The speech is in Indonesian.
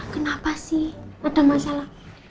kenapa sih ada masalah